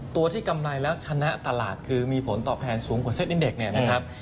ตัวที่กำไรแล้วชนะตลาดคือมีผลตอบแพนสูงกว่าเซ็ตอินเด็ก